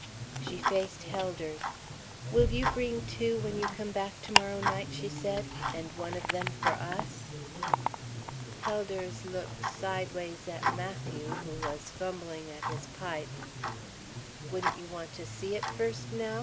She faced Helders. "Will you bring two when you come back to morrow night?" she said; "and one of them for us?" Helders looked sidewise at Matthew, who was fumbling at his pipe. "Wouldn't you want to see it first, now?"